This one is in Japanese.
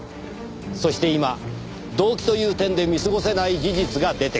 そして今動機という点で見過ごせない事実が出てきた。